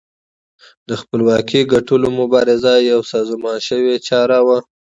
د خپلواکۍ ګټلو مبارزه یوه سازمان شوې چاره وه.